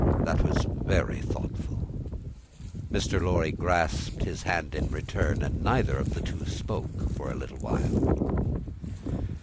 That was very thoughtful!" Mr. Lorry grasped his hand in return, and neither of the two spoke for a little while.